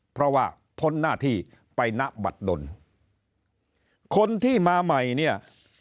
เพราะว่าพ้นหน้าที่ไปณบัตรดนคนที่มาใหม่เนี่ย